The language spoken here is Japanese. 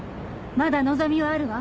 まだ望みはあるわ。